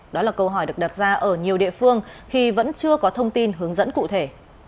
đó là câu hỏi được đặt ra ở nhiều địa phương khi vẫn chưa có thông tin hướng dẫn cụ thể